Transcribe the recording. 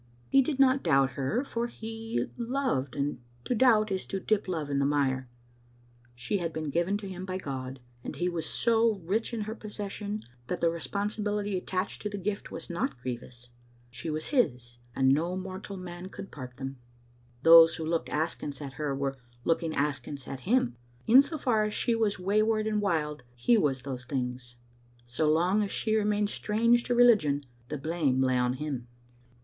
He did not doubt her, for he loved, and to doubt is to dip love in the mire. She had been given to him by God, and he was so rich in her possession that the responsibility attached to the gift was not grievous. She was his, and no mortal man Digitized by VjOOQ IC tfontaivw a asfttb* 900 could part them. Those who looked askance at her were looking askance at him ; in so far as she was way ward and wild, he was those things ; so long as she re mained strange to religion, the blame lay on him.